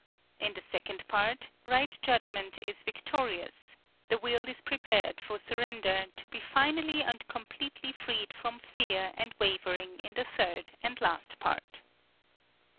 In the second part, right {FIRST ORATORIO, 1767.} (53) judgment is victorious, the will is prepared for surrender, to be finally and completely freed from fear and wavering in the third and last part.